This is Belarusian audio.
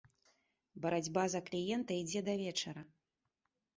Барацьба за кліента ідзе да вечара.